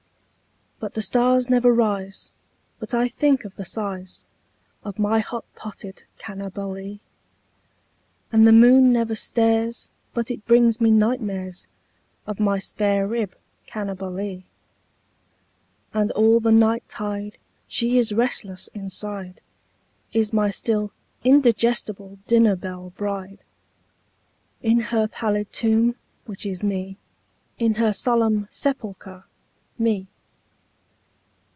But the stars never rise but I think of the size Of my hot potted Cannibalee, And the moon never stares but it brings me night mares Of my spare rib Cannibalee; And all the night tide she is restless inside. Is n^y still indigestible dinner belle bride, In her pallid tomb, which is Me, In her solemn sepulcher, Me.